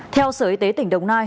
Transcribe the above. theo sở y tế tỉnh đồng nai